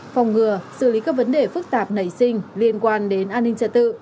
phòng ngừa xử lý các vấn đề phức tạp nảy sinh liên quan đến an ninh trật tự